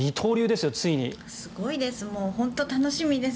すごいです。